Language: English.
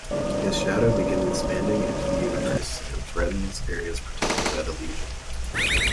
His shadow begins expanding into the universe and threatens areas protected by the Legion.